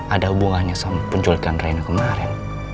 ada hubungannya sama penculikan rene kemarin